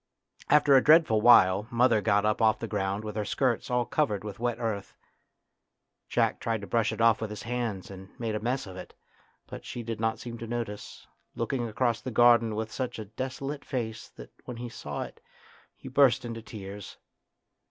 After a dreadful while mother got up off the ground with her skirt all covered with wet earth. Jack tried to brush it off with his hands and made a mess of it, but she did not seem to notice, looking across the garden with such a desolate face that when he saw it he burst into tears.